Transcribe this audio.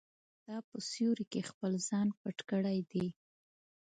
تا په سیوري کې خپل ځان پټ کړی دی.